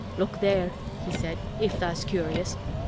"Look there," he said, "if tha's curious.